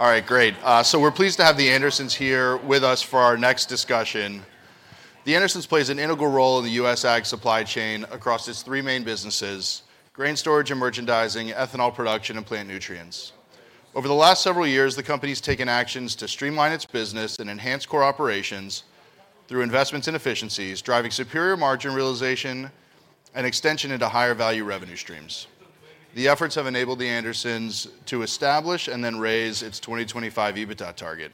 All right, great. So we're pleased to have The Andersons here with us for our next discussion. The Andersons plays an integral role in the U.S. ag supply chain across its three main businesses: grain storage and merchandising, ethanol production, and plant nutrients. Over the last several years, the company's taken actions to streamline its business and enhance core operations through investments in efficiencies, driving superior margin realization and extension into higher-value revenue streams. The efforts have enabled The Andersons to establish and then raise its 2025 EBITDA target.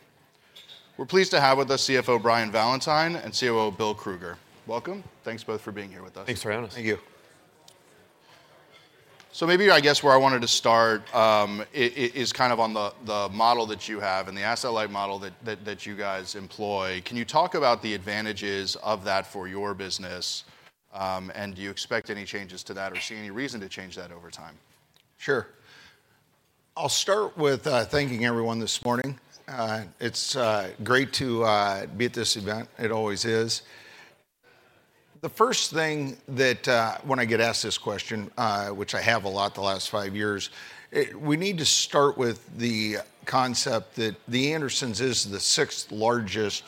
We're pleased to have with us CFO Brian Valentine and COO Bill Krueger. Welcome. Thanks both for being here with us. Thanks for having us. Thank you. So maybe, I guess, where I wanted to start is kind of on the model that you have and the asset-light model that you guys employ. Can you talk about the advantages of that for your business? And do you expect any changes to that or see any reason to change that over time? Sure. I'll start with thanking everyone this morning. It's great to be at this event. It always is. The first thing that when I get asked this question, which I have a lot the last five years, we need to start with the concept that The Andersons is the sixth largest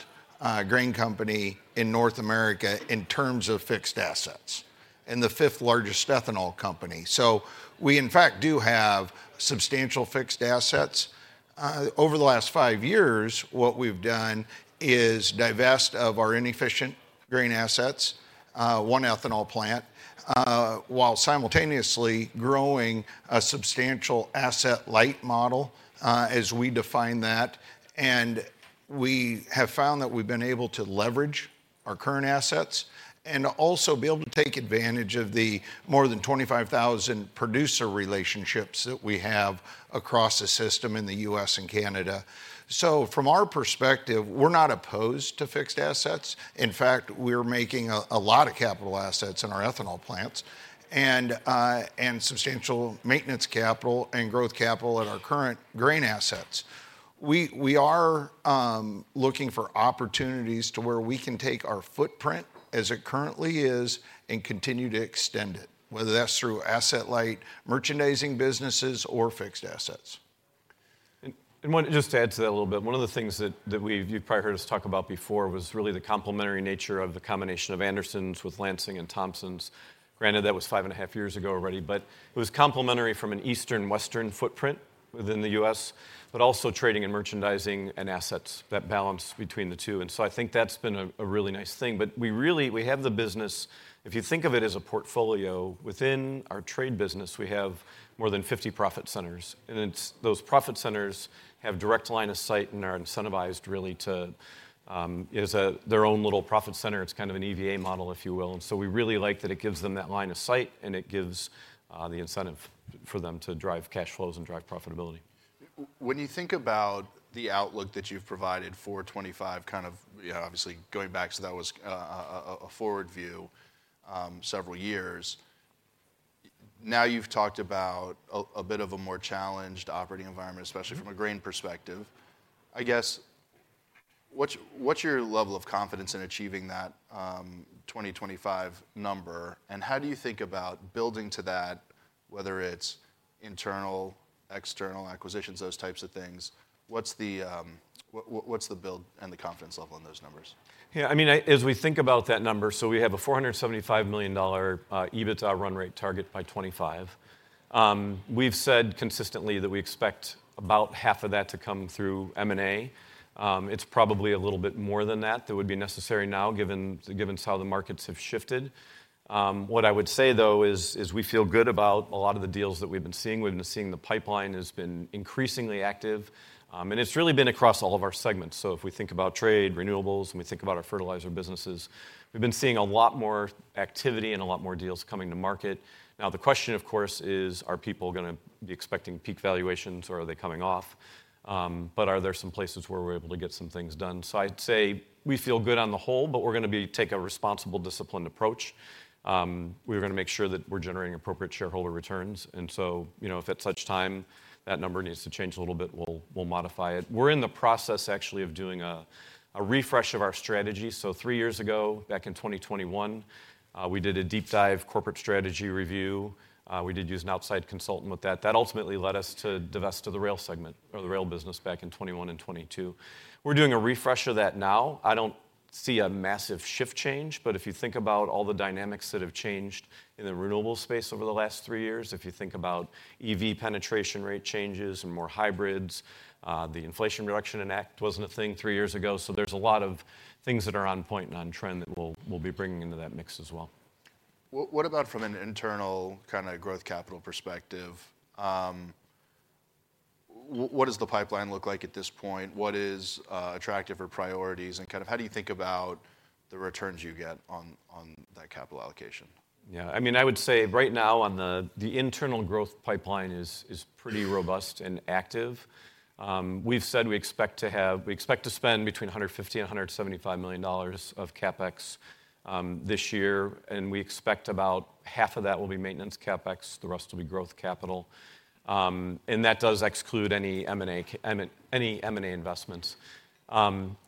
grain company in North America in terms of fixed assets and the fifth largest ethanol company. So we, in fact, do have substantial fixed assets. Over the last five years, what we've done is divest of our inefficient grain assets, one ethanol plant, while simultaneously growing a substantial asset-light model, as we define that. And we have found that we've been able to leverage our current assets and also be able to take advantage of the more than 25,000 producer relationships that we have across the system in the U.S. and Canada. So from our perspective, we're not opposed to fixed assets. In fact, we're making a lot of capital assets in our ethanol plants and substantial maintenance capital and growth capital in our current grain assets. We are looking for opportunities to where we can take our footprint as it currently is and continue to extend it, whether that's through asset-light, merchandising businesses or fixed assets. Want to just add to that a little bit. One of the things that we've—you've probably heard us talk about before was really the complementary nature of the combination of The Andersons' with Lansing and Thompsons'. Granted, that was 5.5 years ago already, but it was complementary from an Eastern-Western footprint within the U.S., but also trading and merchandising and assets that balance between the two, and so I think that's been a really nice thing. But we really have the business. If you think of it as a portfolio, within our trade business, we have more than 50 profit centers, and it's those profit centers have direct line of sight and are incentivized really to it is their own little profit center. It's kind of an EVA model, if you will. And so we really like that it gives them that line of sight, and it gives the incentive for them to drive cash flows and drive profitability. When you think about the outlook that you've provided for 2025, kind of, yeah, obviously, going back, so that was a forward view several years. Now, you've talked about a bit of a more challenged operating environment, especially from a grain perspective. I guess, what's your level of confidence in achieving that 2025 number, and how do you think about building to that, whether it's internal, external acquisitions, those types of things? What's the build and the confidence level in those numbers? Yeah, I mean, I, as we think about that number, so we have a $475 million EBITDA run rate target by 2025. We've said consistently that we expect about half of that to come through M&A. It's probably a little bit more than that that would be necessary now, given, given how the markets have shifted. What I would say, though, is we feel good about a lot of the deals that we've been seeing. We've been seeing the pipeline has been increasingly active, and it's really been across all of our segments. So if we think about trade, renewables, when we think about our fertilizer businesses, we've been seeing a lot more activity and a lot more deals coming to market. Now, the question, of course, is: Are people gonna be expecting peak valuations, or are they coming off? But are there some places where we're able to get some things done? So I'd say we feel good on the whole, but we're gonna take a responsible, disciplined approach. We're gonna make sure that we're generating appropriate shareholder returns, and so, you know, if at such time, that number needs to change a little bit, we'll, we'll modify it. We're in the process, actually, of doing a refresh of our strategy. So three years ago, back in 2021, we did a deep dive corporate strategy review. We did use an outside consultant with that. That ultimately led us to divest to the rail segment or the rail business back in 2021 and 2022. We're doing a refresh of that now. I don't see a massive shift change, but if you think about all the dynamics that have changed in the renewable space over the last three years, if you think about EV penetration rate changes and more hybrids, the Inflation Reduction Act wasn't a thing three years ago. So there's a lot of things that are on point and on trend that we'll be bringing into that mix as well. What about from an internal kind of growth capital perspective? What does the pipeline look like at this point? What is attractive or priorities, and kind of how do you think about the returns you get on that capital allocation? Yeah, I mean, I would say right now the internal growth pipeline is pretty robust and active. We've said we expect to spend between $150 and $175 million of CapEx this year, and we expect about half of that will be maintenance CapEx, the rest will be growth capital. And that does exclude any M&A investments.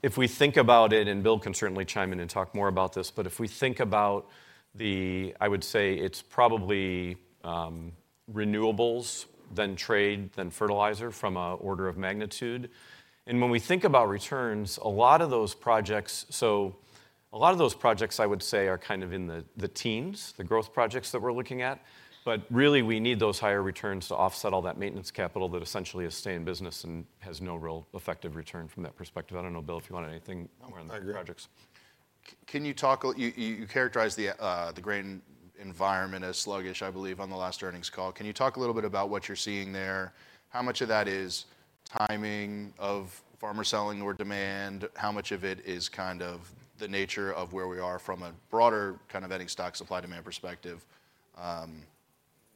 If we think about it, and Bill can certainly chime in and talk more about this, but if we think about the... I would say it's probably renewables, then trade, then fertilizer from a order of magnitude. And when we think about returns, a lot of those projects, so a lot of those projects, I would say, are kind of in the teens, the growth projects that we're looking at. But really, we need those higher returns to offset all that maintenance capital that essentially is stay in business and has no real effective return from that perspective. I don't know, Bill, if you want anything more on the projects. I agree. Can you talk about how you characterized the grain environment as sluggish, I believe, on the last earnings call? Can you talk a little bit about what you're seeing there? How much of that is timing of farmer selling or demand? How much of it is kind of the nature of where we are from a broader kind of ending stock, supply, demand perspective?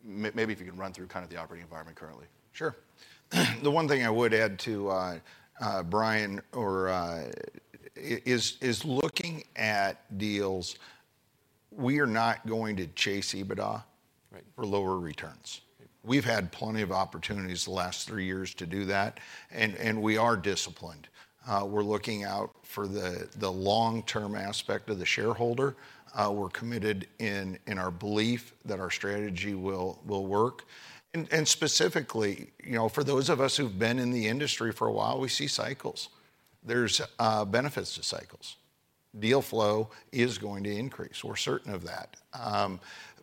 Maybe if you can run through kind of the operating environment currently. Sure. The one thing I would add to Brian is looking at deals, we are not going to chase EBITDA- Right... for lower returns. We've had plenty of opportunities the last three years to do that, and we are disciplined. We're looking out for the long-term aspect of the shareholder. We're committed in our belief that our strategy will work. And specifically, you know, for those of us who've been in the industry for a while, we see cycles. There's benefits to cycles. Deal flow is going to increase, we're certain of that.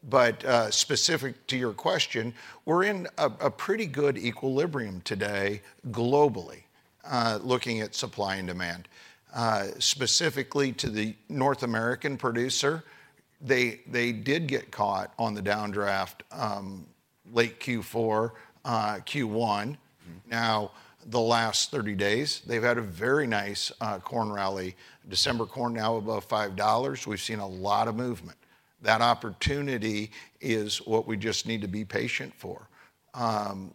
But specific to your question, we're in a pretty good equilibrium today globally, looking at supply and demand. Specifically to the North American producer, they did get caught on the downdraft, late Q4, Q1. Mm-hmm. Now, the last 30 days, they've had a very nice corn rally. December corn now above $5. We've seen a lot of movement. That opportunity is what we just need to be patient for.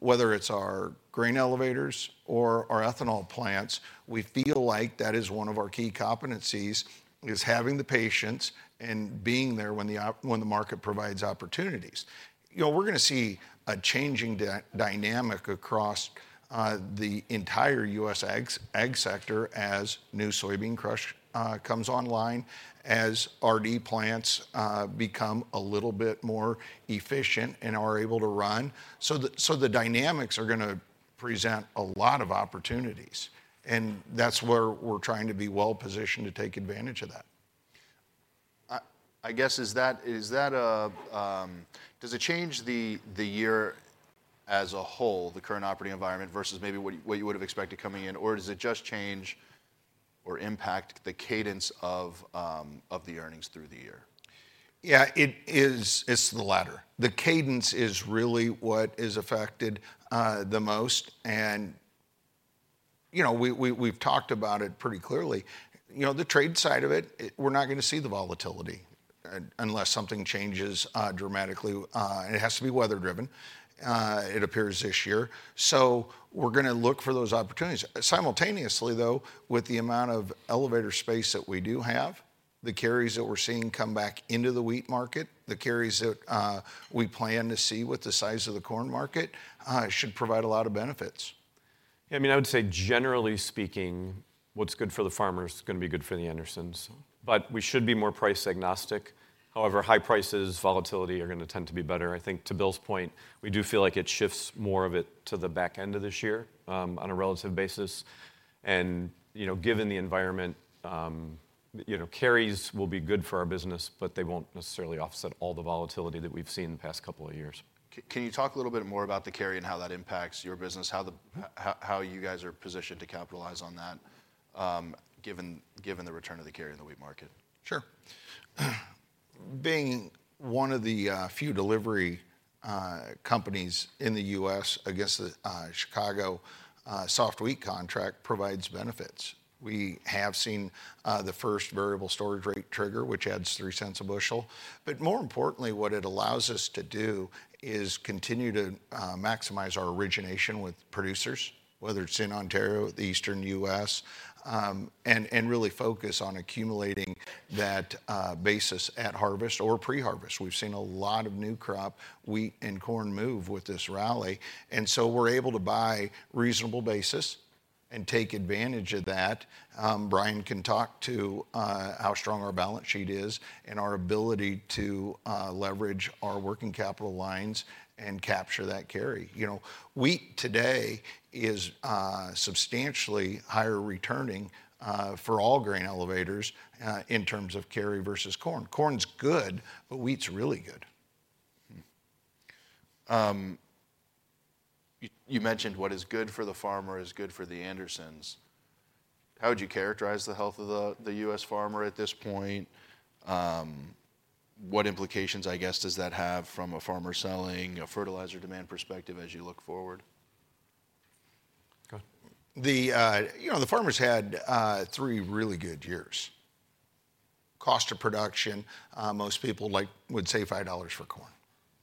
Whether it's our grain elevators or our ethanol plants, we feel like that is one of our key competencies, is having the patience and being there when the market provides opportunities. You know, we're gonna see a changing dynamic across the entire U.S. ag sector as new soybean crush comes online, as RD plants become a little bit more efficient and are able to run. So the dynamics are gonna present a lot of opportunities, and that's where we're trying to be well-positioned to take advantage of that. I guess, does it change the year as a whole, the current operating environment, versus maybe what you would've expected coming in, or does it just change or impact the cadence of the earnings through the year? Yeah, it is, it's the latter. The cadence is really what is affected the most and, you know, we've talked about it pretty clearly. You know, the trade side of it, we're not gonna see the volatility unless something changes dramatically, and it has to be weather driven, it appears, this year. So we're gonna look for those opportunities. Simultaneously, though, with the amount of elevator space that we do have, the carries that we're seeing come back into the wheat market, the carries that we plan to see with the size of the corn market should provide a lot of benefits. I mean, I would say, generally speaking, what's good for the farmer is gonna be good for The Andersons. But we should be more price-agnostic. However, high prices, volatility are gonna tend to be better. I think to Bill's point, we do feel like it shifts more of it to the back end of this year, on a relative basis. And, you know, given the environment, you know, carries will be good for our business, but they won't necessarily offset all the volatility that we've seen in the past couple of years. Can you talk a little bit more about the carry and how that impacts your business? How you guys are positioned to capitalize on that, given the return of the carry in the wheat market? Sure. Being one of the few delivery companies in the U.S. against the Chicago soft wheat contract provides benefits. We have seen the first variable storage rate trigger, which adds $0.03 a bushel. But more importantly, what it allows us to do is continue to maximize our origination with producers, whether it's in Ontario, the Eastern U.S., and really focus on accumulating that basis at harvest or pre-harvest. We've seen a lot of new crop wheat and corn move with this rally, and so we're able to buy reasonable basis and take advantage of that. Brian can talk to how strong our balance sheet is and our ability to leverage our working capital lines and capture that carry. You know, wheat today is substantially higher returning for all grain elevators in terms of carry versus corn. Corn's good, but wheat's really good. You mentioned what is good for the farmer is good for the Andersons. How would you characterize the health of the U.S. farmer at this point? What implications, I guess, does that have from a farmer selling a fertilizer demand perspective as you look forward? Go ahead. You know, the farmers had three really good years. Cost of production, most people, like, would say $5 for corn.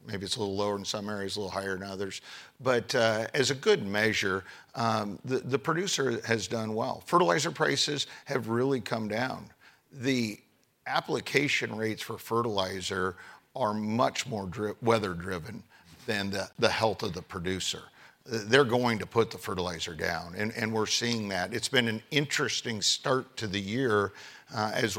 Maybe it's a little lower in some areas, a little higher in others, but as a good measure, the producer has done well. Fertilizer prices have really come down. The application rates for fertilizer are much more dry-weather driven than the health of the producer. They're going to put the fertilizer down, and we're seeing that. It's been an interesting start to the year, as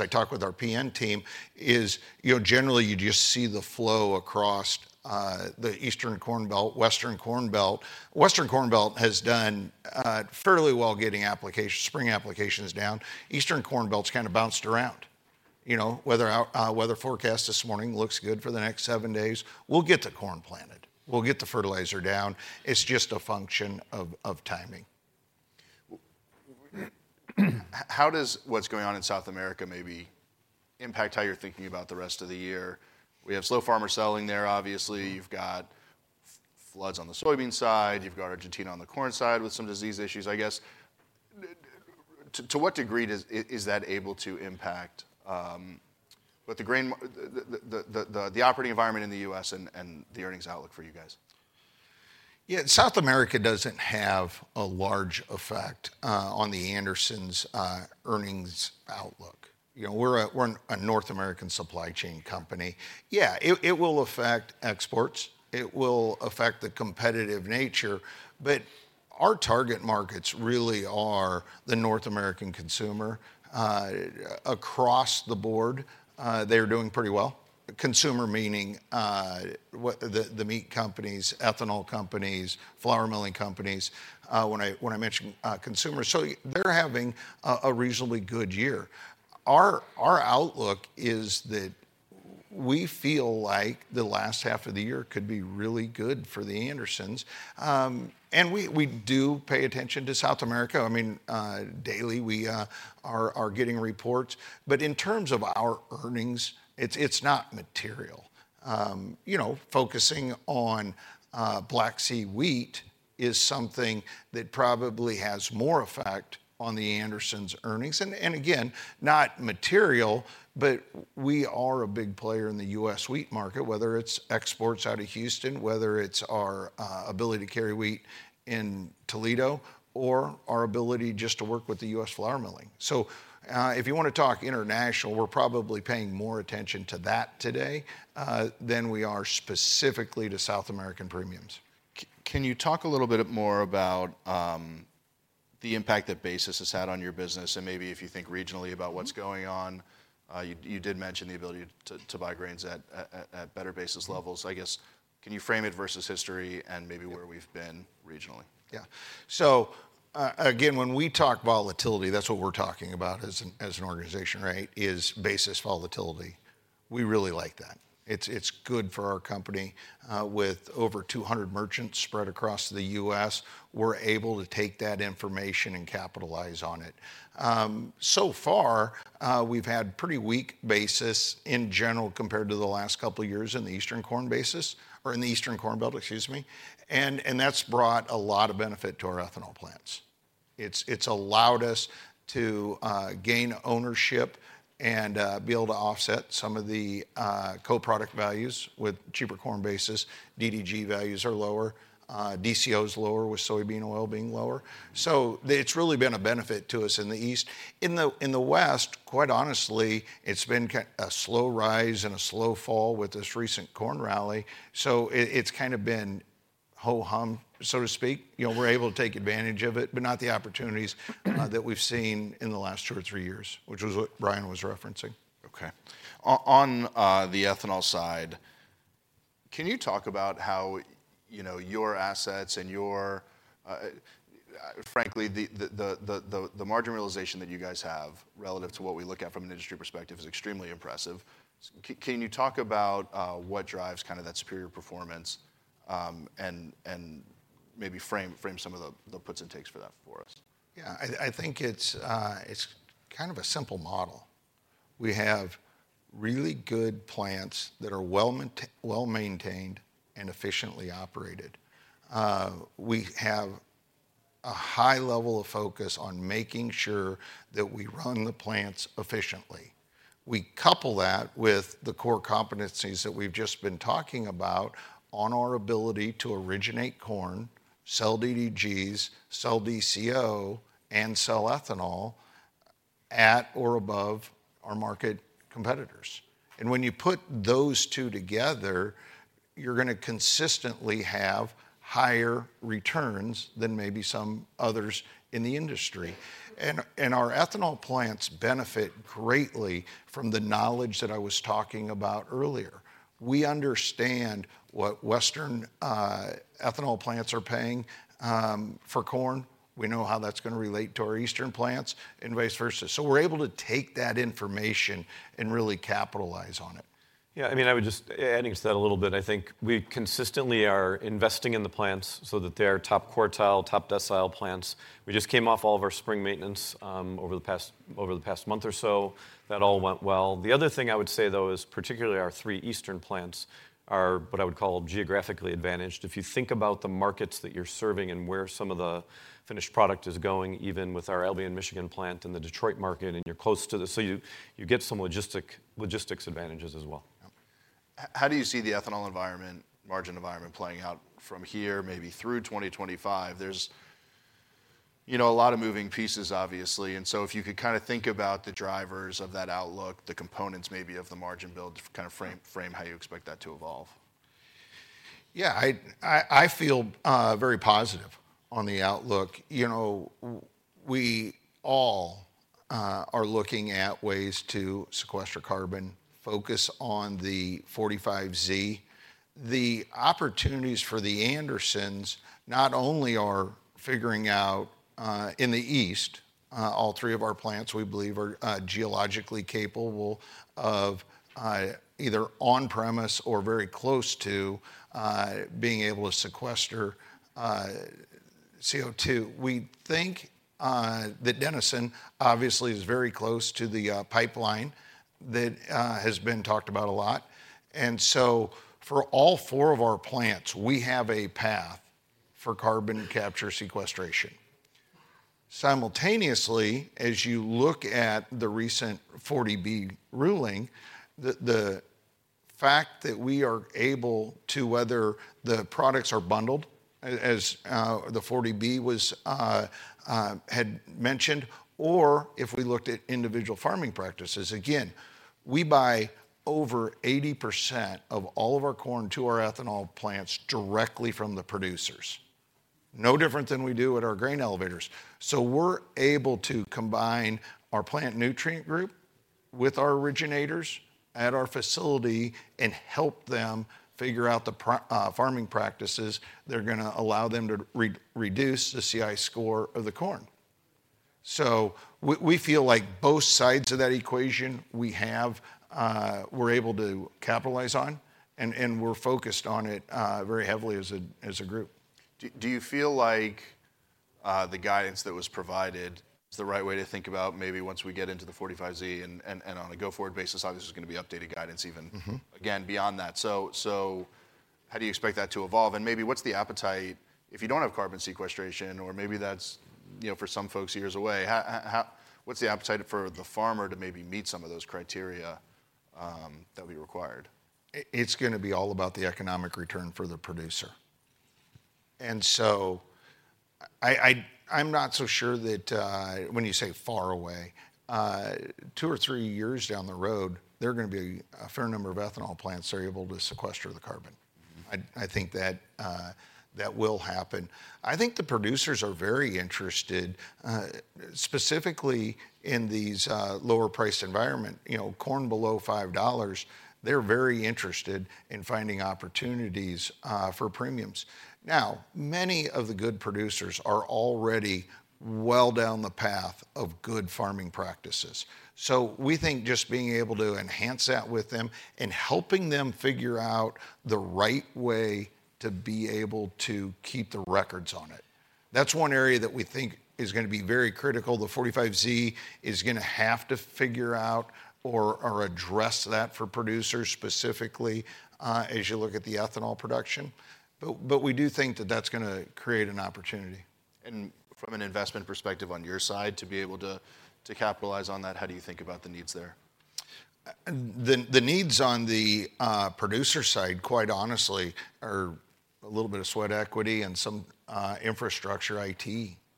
I talk with our PN team, you know, generally you just see the flow across the Eastern Corn Belt, Western Corn Belt. Western Corn Belt has done fairly well getting applications, spring applications down. Eastern Corn Belt's kind of bounced around. You know, weather forecast this morning looks good for the next seven days. We'll get the corn planted, we'll get the fertilizer down. It's just a function of timing. How does what's going on in South America maybe impact how you're thinking about the rest of the year? We have slow farmer selling there, obviously, you've got floods on the soybean side, you've got Argentina on the corn side with some disease issues. I guess, to what degree is that able to impact the grain operating environment in the U.S. and the earnings outlook for you guys? Yeah, South America doesn't have a large effect on the Andersons' earnings outlook. You know, we're a North American supply chain company. Yeah, it will affect exports, it will affect the competitive nature, but our target markets really are the North American consumer. Across the board, they're doing pretty well. Consumer meaning what, the meat companies, ethanol companies, flour milling companies, when I mention consumers. So they're having a reasonably good year. Our outlook is that we feel like the last half of the year could be really good for the Andersons. We do pay attention to South America. I mean, daily, we are getting reports, but in terms of our earnings, it's not material. You know, focusing on Black Sea wheat is something that probably has more effect on The Andersons' earnings. Again, not material, but we are a big player in the U.S. wheat market, whether it's exports out of Houston, whether it's our ability to carry wheat in Toledo, or our ability just to work with the U.S. flour milling. So, if you want to talk international, we're probably paying more attention to that today than we are specifically to South American premiums. Can you talk a little bit more about the impact that basis has had on your business? And maybe if you think regionally about what's going on. Mm-hmm. You did mention the ability to buy grains at better basis levels. I guess, can you frame it versus history and maybe where we've been regionally? Yeah. So, again, when we talk volatility, that's what we're talking about as an, as an organization, right? Is basis volatility. We really like that. It's, it's good for our company. With over 200 merchants spread across the U.S., we're able to take that information and capitalize on it. So far, we've had pretty weak basis in general compared to the last couple of years in the Eastern Corn basis, or in the Eastern Corn Belt, excuse me, and, and that's brought a lot of benefit to our ethanol plants. It's, it's allowed us to gain ownership and be able to offset some of the co-product values with cheaper corn basis. DDG values are lower, DCO is lower, with soybean oil being lower. So it's really been a benefit to us in the east. In the west, quite honestly, it's been a slow rise and a slow fall with this recent corn rally. So it's kind of been ho-hum, so to speak. You know, we're able to take advantage of it, but not the opportunities that we've seen in the last two or three years, which was what Brian was referencing. Okay. On the ethanol side, can you talk about how, you know, your assets and your frankly, the margin realization that you guys have relative to what we look at from an industry perspective is extremely impressive. Can you talk about what drives kind of that superior performance? And maybe frame some of the puts and takes for that for us. Yeah, I think it's kind of a simple model. We have really good plants that are well-maintained and efficiently operated. We have a high level of focus on making sure that we run the plants efficiently. We couple that with the core competencies that we've just been talking about on our ability to originate corn, sell DDGs, sell DCO, and sell ethanol at or above our market competitors. And when you put those two together, you're gonna consistently have higher returns than maybe some others in the industry. And our ethanol plants benefit greatly from the knowledge that I was talking about earlier. We understand what western ethanol plants are paying for corn. We know how that's gonna relate to our eastern plants, and vice versa. So we're able to take that information and really capitalize on it. Yeah, I mean, I would just add to that a little bit. I think we consistently are investing in the plants so that they are top quartile, top decile plants. We just came off all of our spring maintenance over the past month or so. That all went well. The other thing I would say, though, is particularly our three eastern plants are what I would call geographically advantaged. If you think about the markets that you're serving and where some of the finished product is going, even with our Albion, Michigan plant and the Detroit market, and you're close to the... So you get some logistics advantages as well. How do you see the ethanol environment, margin environment playing out from here, maybe through 2025? There's, you know, a lot of moving pieces, obviously, and so if you could kind of think about the drivers of that outlook, the components maybe of the margin build to kind of frame, frame how you expect that to evolve. Yeah, I feel very positive on the outlook. You know, we all are looking at ways to sequester carbon, focus on the 45Z. The opportunities for The Andersons, not only are figuring out, in the East, all three of our plants, we believe are geologically capable of, either on premise or very close to, being able to sequester, CO2. We think, that Denison, obviously, is very close to the, pipeline that, has been talked about a lot. And so for all four of our plants, we have a path for carbon capture sequestration. Simultaneously, as you look at the recent 40B ruling, the fact that we are able to, whether the products are bundled, as the 40B had mentioned, or if we looked at individual farming practices, again, we buy over 80% of all of our corn to our ethanol plants directly from the producers. No different than we do at our grain elevators. So we're able to combine our plant nutrient group with our originators at our facility and help them figure out the farming practices that are gonna allow them to reduce the CI score of the corn. So we feel like both sides of that equation, we have, we're able to capitalize on, and we're focused on it very heavily as a group. Do you feel like the guidance that was provided is the right way to think about maybe once we get into the 45Z, and on a go-forward basis, obviously there's going to be updated guidance even- Mm-hmm... again, beyond that. So, how do you expect that to evolve? And maybe what's the appetite if you don't have carbon sequestration, or maybe that's, you know, for some folks, years away, how... What's the appetite for the farmer to maybe meet some of those criteria, that would be required? It's gonna be all about the economic return for the producer. And so I'm not so sure that, when you say far away, two or three years down the road, there are gonna be a fair number of ethanol plants that are able to sequester the carbon. Mm-hmm. I think that will happen. I think the producers are very interested, specifically in these, lower-priced environment, you know, corn below $5, they're very interested in finding opportunities, for premiums. Now, many of the good producers are already well down the path of good farming practices. So we think just being able to enhance that with them and helping them figure out the right way to be able to keep the records on it, that's one area that we think is gonna be very critical. The 45Z is gonna have to figure out or address that for producers specifically, as you look at the ethanol production. But we do think that that's gonna create an opportunity. From an investment perspective on your side, to be able to, to capitalize on that, how do you think about the needs there? The needs on the producer side, quite honestly, are a little bit of sweat equity and some infrastructure IT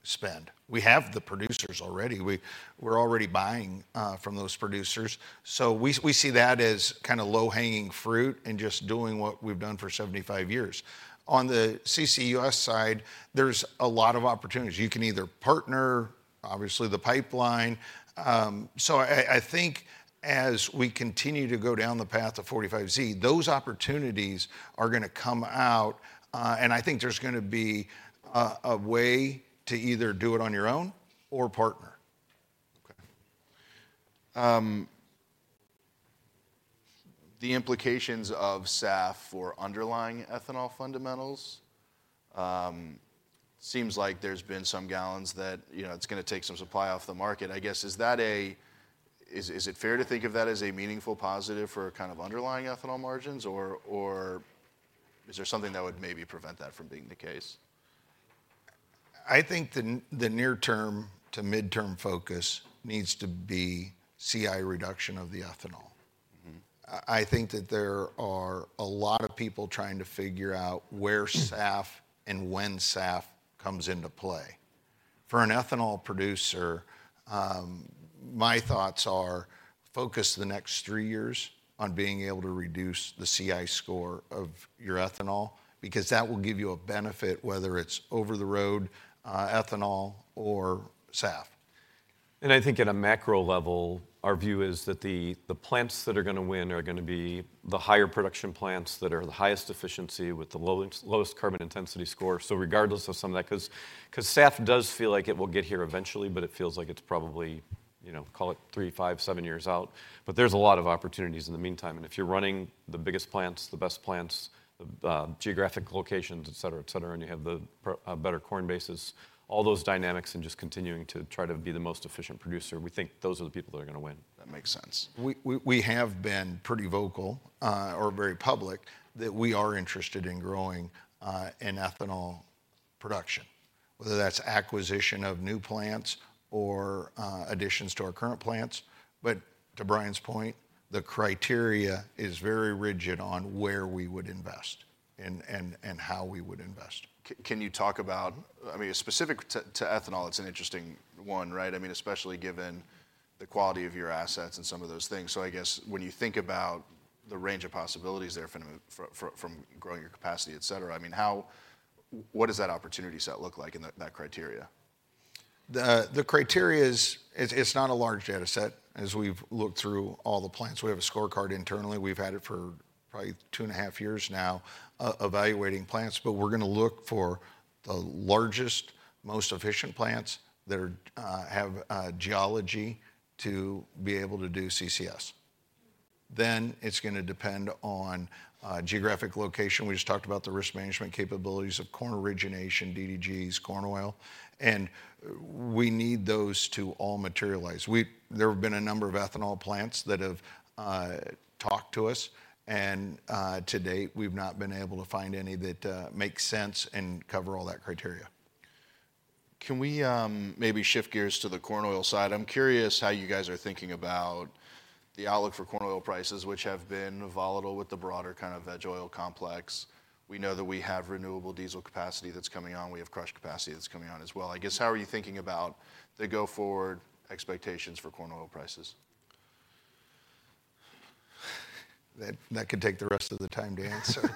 spend. We have the producers already. We're already buying from those producers. So we see that as kind of low-hanging fruit and just doing what we've done for 75 years. On the CCUS side, there's a lot of opportunities. You can either partner, obviously, the pipeline. So I think as we continue to go down the path of 45Z, those opportunities are gonna come out, and I think there's gonna be a way to either do it on your own or partner. Okay. The implications of SAF for underlying ethanol fundamentals seems like there's been some gallons that, you know, it's gonna take some supply off the market. I guess, is that a... Is, is it fair to think of that as a meaningful positive for kind of underlying ethanol margins, or, or is there something that would maybe prevent that from being the case? I think the near term to mid-term focus needs to be CI reduction of the ethanol. Mm-hmm. I think that there are a lot of people trying to figure out where SAF and when SAF comes into play. For an ethanol producer, my thoughts are focus the next three years on being able to reduce the CI score of your ethanol, because that will give you a benefit, whether it's over the road, ethanol, or SAF. And I think at a macro level, our view is that the plants that are gonna win are gonna be the higher production plants that are the highest efficiency with the lowest carbon intensity score. So regardless of some of that, 'cause SAF does feel like it will get here eventually, but it feels like it's probably, you know, call it 3, 5, 7 years out. But there's a lot of opportunities in the meantime, and if you're running the biggest plants, the best plants, the geographic locations, et cetera, et cetera, and you have the better corn basis, all those dynamics and just continuing to try to be the most efficient producer, we think those are the people that are gonna win. That makes sense. We have been pretty vocal or very public that we are interested in growing in ethanol production, whether that's acquisition of new plants or additions to our current plants. But to Brian's point, the criteria is very rigid on where we would invest and how we would invest. Can you talk about, I mean, specific to ethanol, it's an interesting one, right? I mean, especially given the quality of your assets and some of those things. So I guess when you think about the range of possibilities there from growing your capacity, et cetera, I mean, what does that opportunity set look like in that criteria? The criteria is, it's not a large data set, as we've looked through all the plants. We have a scorecard internally. We've had it for probably 2.5 years now, evaluating plants, but we're going to look for the largest, most efficient plants that have geology to be able to do CCS. Then it's going to depend on geographic location. We just talked about the risk management capabilities of corn origination, DDGs, corn oil, and we need those to all materialize. There have been a number of ethanol plants that have talked to us, and to date, we've not been able to find any that make sense and cover all that criteria. Can we, maybe shift gears to the corn oil side? I'm curious how you guys are thinking about the outlook for corn oil prices, which have been volatile with the broader kind of veg oil complex. We know that we have renewable diesel capacity that's coming on. We have crush capacity that's coming on as well. I guess, how are you thinking about the go-forward expectations for corn oil prices? That, that could take the rest of the time to answer.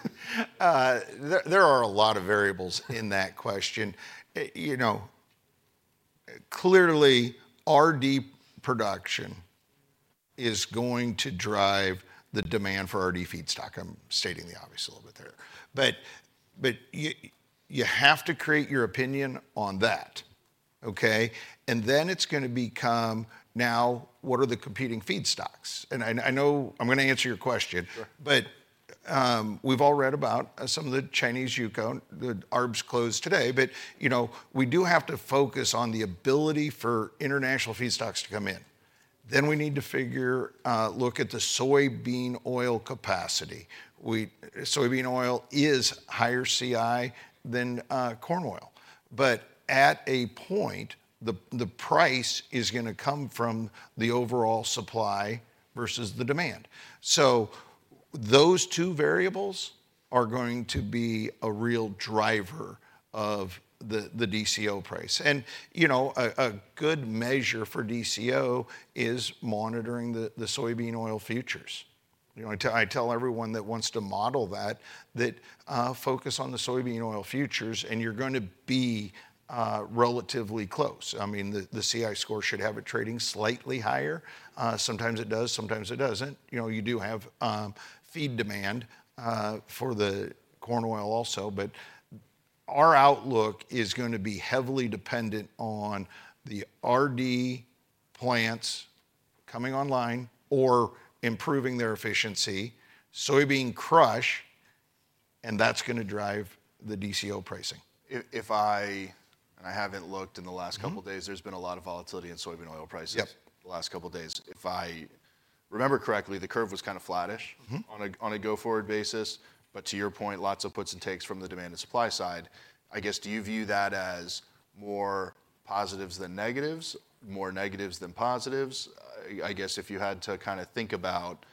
There, there are a lot of variables in that question. You know, clearly, RD production is going to drive the demand for RD feedstock. I'm stating the obvious a little bit there, but, but you, you have to create your opinion on that, okay? And then it's going to become, now, what are the competing feedstocks? And I, I know... I'm going to answer your question. Sure. But, we've all read about some of the Chinese UCO, the arbs closed today, but, you know, we do have to focus on the ability for international feedstocks to come in. Then we need to figure, look at the soybean oil capacity. We, soybean oil is higher CI than corn oil, but at a point, the, the price is going to come from the overall supply versus the demand. So those two variables are going to be a real driver of the, the DCO price. And, you know, a, a good measure for DCO is monitoring the, the soybean oil futures. You know, I tell, I tell everyone that wants to model that, that, focus on the soybean oil futures, and you're going to be relatively close. I mean, the, the CI score should have it trading slightly higher. Sometimes it does, sometimes it doesn't. You know, you do have feed demand for the corn oil also, but our outlook is going to be heavily dependent on the RD plants coming online or improving their efficiency, soybean crush, and that's going to drive the DCO pricing. If I... And I haven't looked in the last couple days- Mm-hmm.... there's been a lot of volatility in soybean oil prices- Yep... the last couple days. If I remember correctly, the curve was kind of flattish- Mm-hmm... on a go-forward basis, but to your point, lots of puts and takes from the demand and supply side. I guess, do you view that as more positives than negatives, more negatives than positives? I guess if you had to kind of think about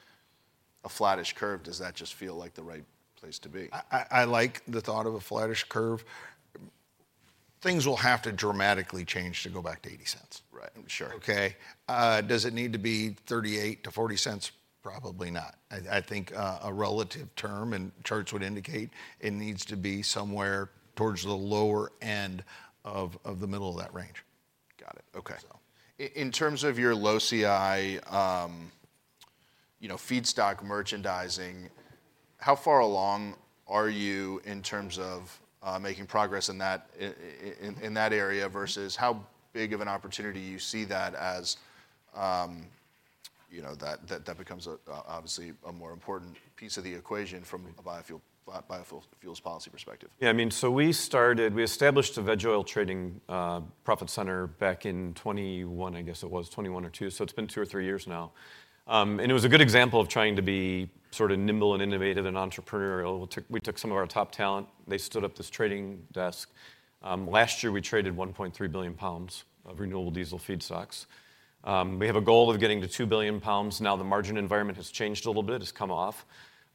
a flattish curve, does that just feel like the right place to be? I like the thought of a flattish curve. Things will have to dramatically change to go back to $0.80. Right. Sure. Okay? Does it need to be $0.38-$0.40? Probably not. I think a relative term and charts would indicate it needs to be somewhere towards the lower end of the middle of that range. Got it. Okay. So. In terms of your low CI, you know, feedstock merchandising, how far along are you in terms of making progress in that, in that area, versus how big of an opportunity you see that as, you know, that, that, that becomes, obviously a more important piece of the equation from a biofuels policy perspective? Yeah, I mean, so we started, we established a veg oil trading profit center back in 2021, I guess it was, 2021 or 2022, so it's been two or three years now. And it was a good example of trying to be sort of nimble and innovative and entrepreneurial. We took, we took some of our top talent, they stood up this trading desk. Last year, we traded 1.3 billion pounds of renewable diesel feedstocks. We have a goal of getting to 2 billion pounds. Now, the margin environment has changed a little bit, it's come off,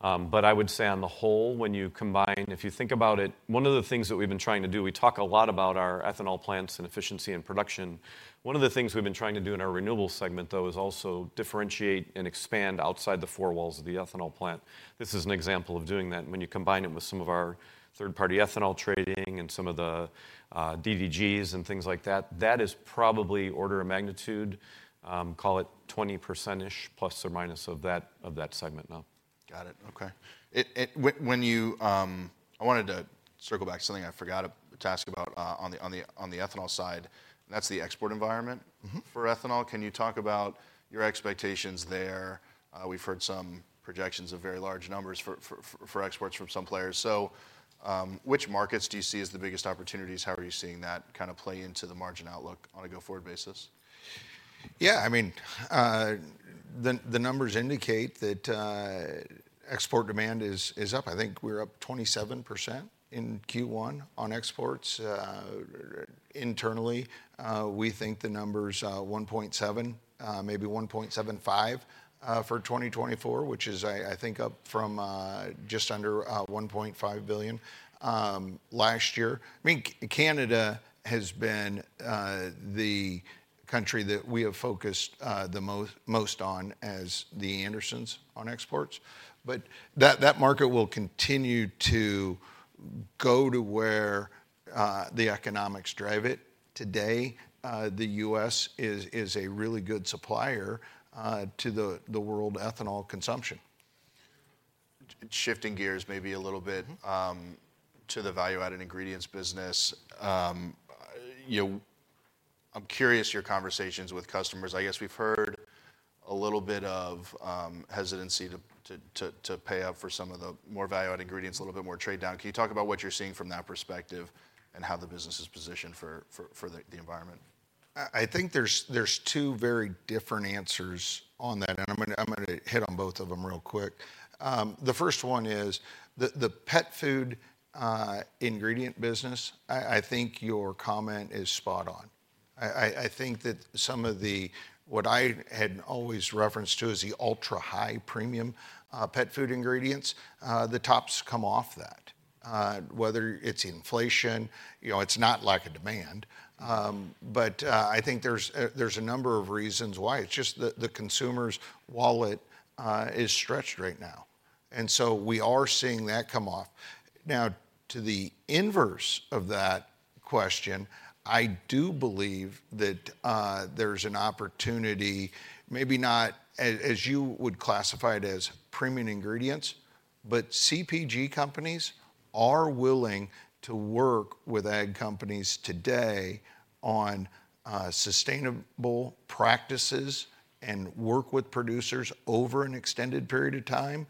but I would say on the whole, when you combine... If you think about it, one of the things that we've been trying to do, we talk a lot about our ethanol plants and efficiency and production. One of the things we've been trying to do in our renewables segment, though, is also differentiate and expand outside the four walls of the ethanol plant. This is an example of doing that. When you combine it with some of our third-party ethanol trading and some of the, DDGs and things like that, that is probably order of magnitude, call it 20%-ish, plus or minus, of that, of that segment now. Got it. Okay. I wanted to circle back to something I forgot to ask about, on the ethanol side, and that's the export environment- Mm-hmm... for ethanol. Can you talk about your expectations there? We've heard some projections of very large numbers for exports from some players. So, which markets do you see as the biggest opportunities? How are you seeing that kind of play into the margin outlook on a go-forward basis?... Yeah, I mean, the numbers indicate that export demand is up. I think we're up 27% in Q1 on exports. Internally, we think the number's 1.7, maybe 1.75, for 2024, which is I think up from just under $1.5 billion last year. I mean, Canada has been the country that we have focused the most on as The Andersons on exports. But that market will continue to go to where the economics drive it. Today, the U.S. is a really good supplier to the world ethanol consumption. Shifting gears maybe a little bit- Mm-hmm. To the value-added ingredients business. You know, I'm curious your conversations with customers. I guess we've heard a little bit of hesitancy to pay up for some of the more value-added ingredients, a little bit more trade-down. Can you talk about what you're seeing from that perspective, and how the business is positioned for the environment? I think there's two very different answers on that, and I'm gonna hit on both of them real quick. The first one is the pet food ingredient business. I think your comment is spot on. I think that some of the... what I had always referenced to as the ultra-high premium pet food ingredients, the top's come off that. Whether it's inflation, you know, it's not lack of demand, but I think there's a number of reasons why. It's just the consumer's wallet is stretched right now, and so we are seeing that come off. Now, to the inverse of that question, I do believe that there's an opportunity, maybe not as you would classify it, as premium ingredients, but CPG companies are willing to work with ag companies today on sustainable practices and work with producers over an extended period of time.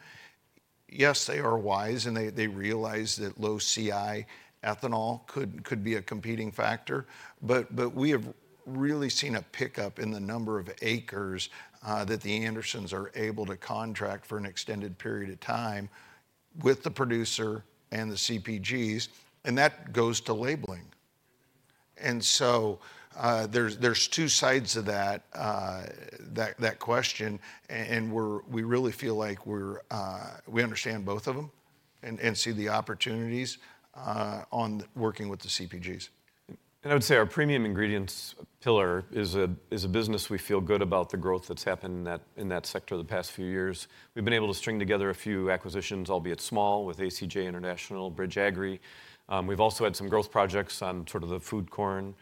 Yes, they are wise, and they realize that low CI ethanol could be a competing factor. But we have really seen a pickup in the number of acres that the Andersons are able to contract for an extended period of time with the producer and the CPGs, and that goes to labeling. And so, there's two sides to that question, and we're we really feel like we're we understand both of them and see the opportunities on working with the CPGs. And I would say our premium ingredients pillar is a business we feel good about the growth that's happened in that sector the past few years. We've been able to string together a few acquisitions, albeit small, with ACJ International, Bridge Agri. We've also had some growth projects on sort of the food corn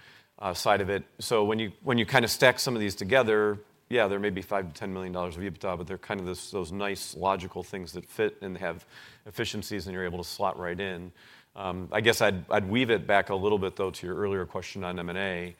side of it. So when you kind of stack some of these together, yeah, there may be $5-$10 million of EBITDA, but they're kind of this, those nice, logical things that fit and have efficiencies, and you're able to slot right in. I guess I'd weave it back a little bit, though, to your earlier question on M&A.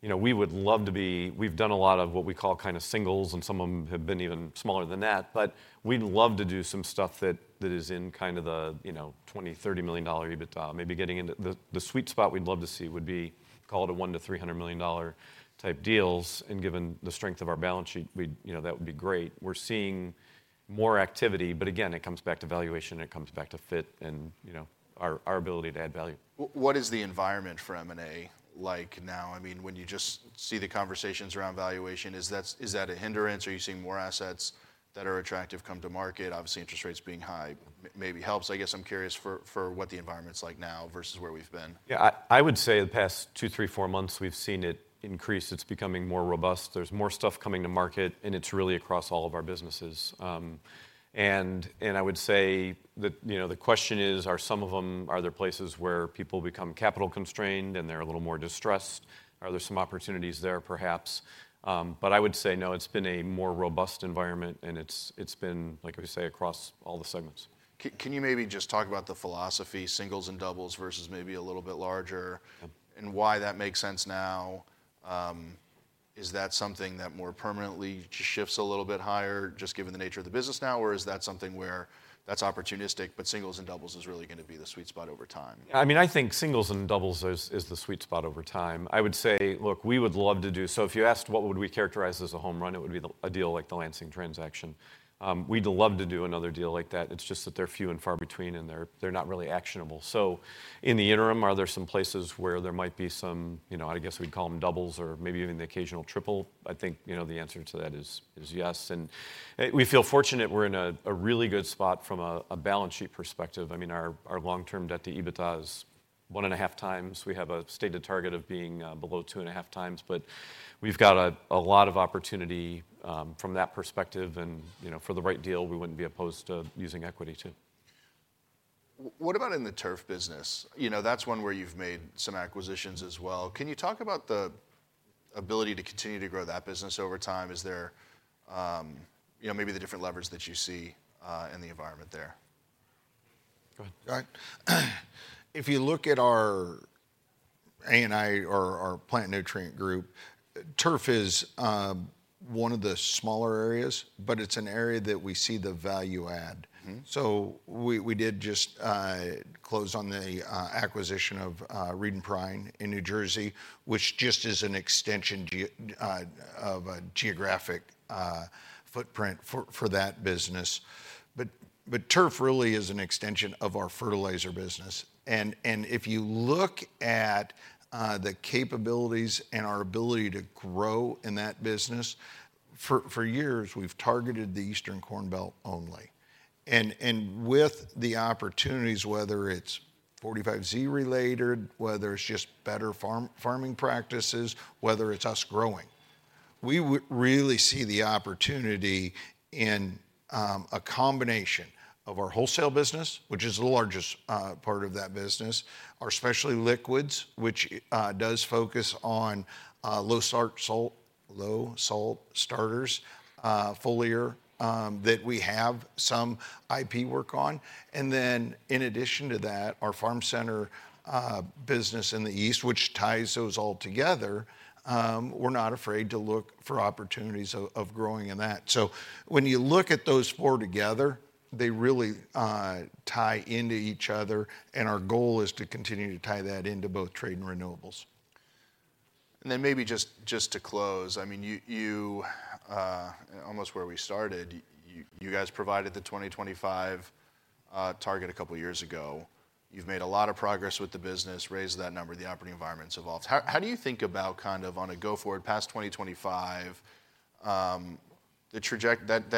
You know, we would love to be... We've done a lot of what we call kind of singles, and some of them have been even smaller than that. But we'd love to do some stuff that is in kind of the, you know, $20 million, $30 million EBITDA. Maybe getting into the sweet spot we'd love to see would be $100-300 million type deals, and given the strength of our balance sheet, we'd—you know, that would be great. We're seeing more activity, but again, it comes back to valuation, and it comes back to fit, and, you know, our ability to add value. What is the environment for M&A like now? I mean, when you just see the conversations around valuation, is that a hindrance, or are you seeing more assets that are attractive come to market? Obviously, interest rates being high maybe helps. I guess I'm curious for, for what the environment's like now versus where we've been. Yeah, I would say the past 2, 3, 4 months we've seen it increase. It's becoming more robust. There's more stuff coming to market, and it's really across all of our businesses. And I would say that, you know, the question is, are some of them... Are there places where people become capital-constrained, and they're a little more distressed? Are there some opportunities there? Perhaps. But I would say no, it's been a more robust environment, and it's been, like we say, across all the segments. Can you maybe just talk about the philosophy, singles and doubles versus maybe a little bit larger- Yep... and why that makes sense now? Is that something that more permanently shifts a little bit higher, just given the nature of the business now, or is that something where that's opportunistic, but singles and doubles is really gonna be the sweet spot over time? I mean, I think singles and doubles is the sweet spot over time. I would say, look, we would love to do... So if you asked what would we characterize as a home run, it would be a deal like the Lansing transaction. We'd love to do another deal like that. It's just that they're few and far between, and they're not really actionable. So in the interim, are there some places where there might be some, you know, I guess we'd call them doubles or maybe even the occasional triple? I think, you know, the answer to that is yes. And we feel fortunate we're in a really good spot from a balance sheet perspective. I mean, our long-term debt to EBITDA is 1.5 times. We have a stated target of being below 2.5x, but we've got a lot of opportunity from that perspective. And, you know, for the right deal, we wouldn't be opposed to using equity, too. What about in the turf business? You know, that's one where you've made some acquisitions as well. Can you talk about the ability to continue to grow that business over time? Is there, you know, maybe the different levers that you see, in the environment there? Go ahead. All right. If you look at our PN or our plant nutrient group, turf is one of the smaller areas, but it's an area that we see the value add. Mm-hmm. So we did just close on the acquisition of Reed & Perrine in New Jersey, which just is an extension of a geographic footprint for that business. But turf really is an extension of our fertilizer business, and if you look at the capabilities and our ability to grow in that business, for years we've targeted the Eastern Corn Belt only. And with the opportunities, whether it's 45Z related, whether it's just better farming practices, whether it's us growing, we really see the opportunity in a combination of our wholesale business, which is the largest part of that business, our specialty liquids, which does focus on low salt starters, foliar that we have some IP work on. And then in addition to that, our farm center business in the east, which ties those all together, we're not afraid to look for opportunities of growing in that. So when you look at those four together, they really tie into each other, and our goal is to continue to tie that into both trade and renewables. Then maybe just, just to close, I mean, you, you, almost where we started, you, you guys provided the 2025 target a couple years ago. You've made a lot of progress with the business, raised that number, the operating environment's evolved. How, how do you think about kind of on a go-forward past 2025, That, that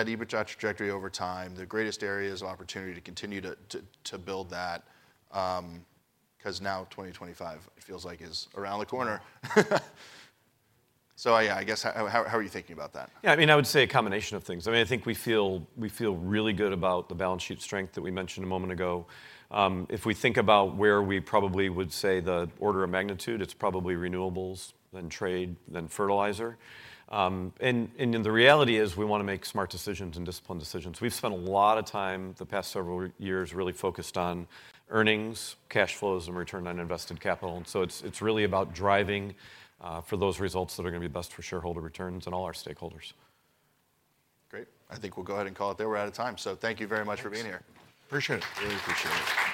EBITDA trajectory over time, the greatest areas of opportunity to continue to, to, to build that, 'cause now 2025, it feels like is around the corner? So I, I guess, how, how, how are you thinking about that? Yeah, I mean, I would say a combination of things. I mean, I think we feel, we feel really good about the balance sheet strength that we mentioned a moment ago. If we think about where we probably would say the order of magnitude, it's probably renewables, then trade, then fertilizer. And then the reality is we wanna make smart decisions and disciplined decisions. We've spent a lot of time the past several years really focused on earnings, cash flows, and return on invested capital, and so it's really about driving for those results that are gonna be best for shareholder returns and all our stakeholders. Great. I think we'll go ahead and call it there. We're out of time, so thank you very much for being here. Thanks. Appreciate it. Really appreciate it.